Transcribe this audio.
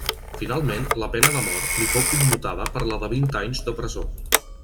Finalment la pena de mort li fou commutada per la de vint anys de presó.